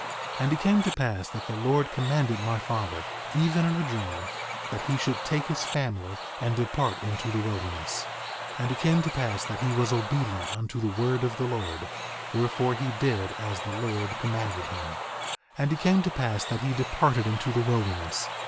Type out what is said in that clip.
2:2 And it came to pass that the Lord commanded my father, even in a dream, that he should take his family and depart into the wilderness. 2:3 And it came to pass that he was obedient unto the word of the Lord, wherefore he did as the Lord commanded him. 2:4 And it came to pass that he departed into the wilderness.